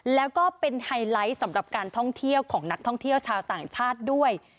แล้วก็เป็นไฮไลท์สำหรับการท่องเที่ยวของนักท่องเที่ยวชาวต่างชาติด้วย